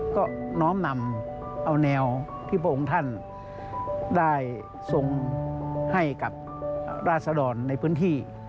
ก็น้อมนำเอาแนวที่พระองค์ท่านได้ทรงให้กับราศดรในพื้นที่